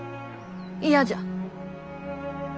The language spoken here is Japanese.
嫌じゃ。